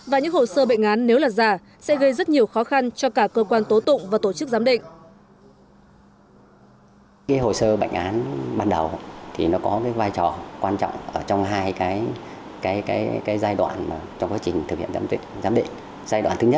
và những hồ sơ bệnh án nếu là giả sẽ gây rất nhiều khó khăn cho cả cơ quan tố tụng và tổ chức giám định